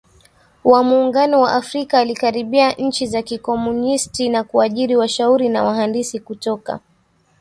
wa Muungano wa Afrika Alikaribia nchi za kikomunisti na kuajiri washauri na wahandisi kutoka